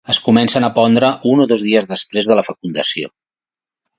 Es comencen a pondre un o dos dies després de la fecundació.